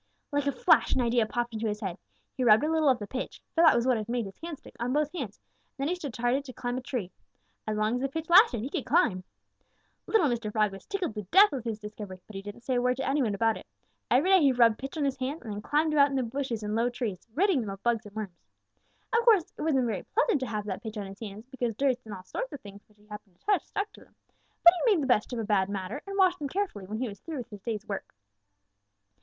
Like a flash an idea popped into his head. He rubbed a little of the pitch, for that was what had made his hand stick, on both hands, and then he started to climb a tree. As long as the pitch lasted, he could climb. "Little Mr. Frog was tickled to death, with his discovery, but he didn't say a word to any one about it. Every day he rubbed pitch on his hands and then climbed about in the bushes and low trees, ridding them of bugs and worms. Of course, it wasn't very pleasant to have that pitch on his hands, because dirt and all sorts of things which he happened to touch stuck to them, but he made the best of a bad matter and washed them carefully when he was through with his day's work.